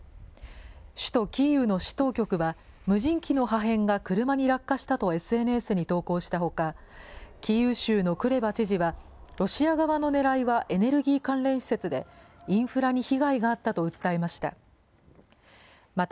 首都キーウの市当局は、無人機の破片が車に落下したとＳＮＳに投稿したほか、キーウ州のクレバ知事は、ロシア側の狙いはエネルギー関連施設で、インフラに被害があったと訴えました。